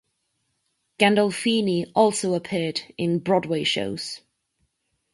Gandolfini also appeared in Broadway shows.